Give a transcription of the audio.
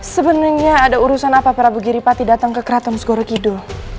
sebenarnya ada urusan apa pak prabu giripati datang ke kratom segoregido